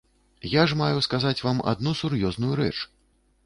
Я ж маю сказаць вам адну сур'ёзную рэч.